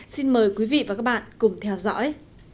xin mời quý vị và các bạn cùng theo dõi